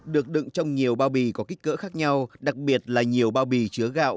được đựng trong nhiều bao bì có kích cỡ khác nhau đặc biệt là nhiều bao bì chứa gạo